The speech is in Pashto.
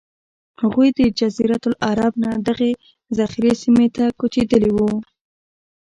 هغوی له جزیرة العرب نه دغې زرخیزې سیمې ته کوچېدلي وو.